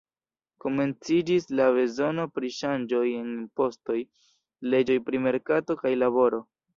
Komenciĝis la bezono pri ŝanĝoj en impostoj, leĝoj pri merkato kaj laboro.